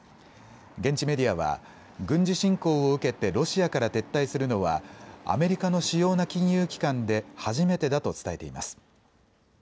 現地メディアは軍事侵攻を受けてロシアから撤退するのはアメリカの主要な金融機関で初めてだと伝えています。